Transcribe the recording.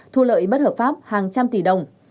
thu lợi bất hợp pháp hàng trăm tỷ đồng